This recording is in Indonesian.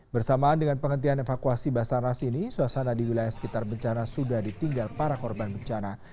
bersamaan dengan penghentian evakuasi basarnas ini suasana di wilayah sekitar bencana sudah ditinggal para korban bencana